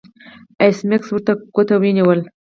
ایس میکس ورته ګوته ونیوله